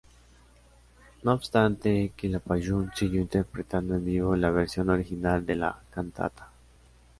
No obstante, Quilapayún siguió interpretando en vivo la versión original de la cantata.